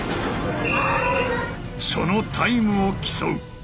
そのタイムを競う。